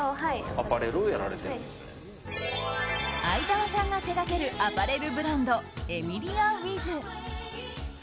逢沢さんが手がけるアパレルブランドエミリアウィズ。